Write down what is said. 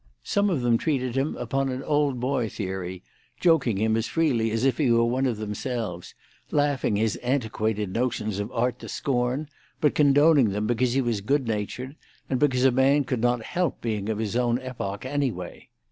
Some of them treated him upon an old boy theory, joking him as freely as if he were one of themselves, laughing his antiquated notions of art to scorn, but condoning them because he was good natured, and because a man could not help being of his own epoch anyway.